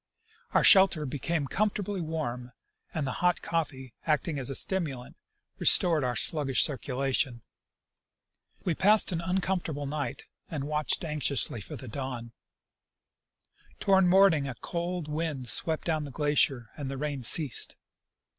Our shelter became com fortably warm and the hot coffee, acting as a stimulant, restored our sluggish circulation. We passed an uncomfortable night and watched anxiously for the dawn. ToAvard morning a cold wind swept down the glacier and the rain ceased.